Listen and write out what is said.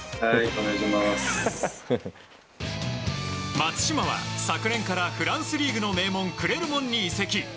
松島は昨年からフランスリーグの名門クレルモンに移籍。